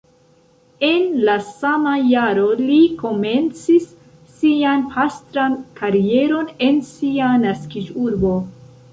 En la sama jaro li komencis sian pastran karieron en sia naskiĝurbo.